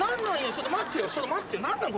ちょっと待って。